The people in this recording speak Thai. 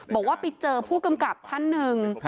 บอกว่าไปเจอผู้กำกับท่านหนึ่ง